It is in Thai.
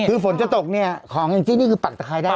คือฝนจะตกเนี่ยของจริงนี่คือปักใครได้เลย